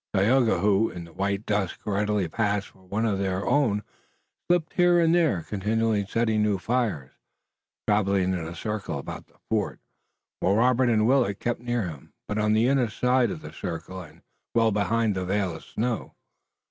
Tayoga who, in the white dusk readily passed for one of their own, slipped here and there, continually setting new fires, traveling in a circle about the fort, while Robert and Willet kept near him, but on the inner side of the circle and well behind the veil of snow.